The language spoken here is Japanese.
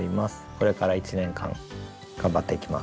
これから一年間頑張っていきます。